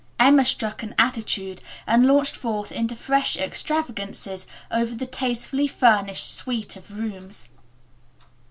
Emma struck an attitude and launched forth into fresh extravagances over the tastefully furnished suite of rooms.